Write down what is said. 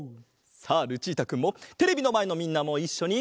さあルチータくんもテレビのまえのみんなもいっしょに！